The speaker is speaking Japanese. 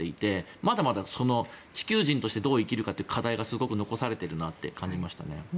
まだまだ地球人としてどう生きるかという課題が残されていると感じました。